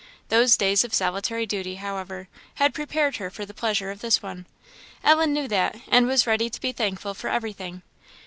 Those days of solitary duty, however, had prepared her for the pleasure of this one; Ellen knew that, and was ready to be thankful for everything.